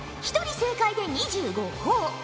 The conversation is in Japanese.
１人正解で２５ほぉ。